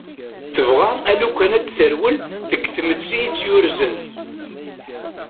Tebɣa alukan ad terwel deg tmetti itt-yurzen.